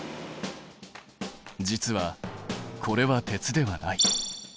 実はこれは鉄ではない。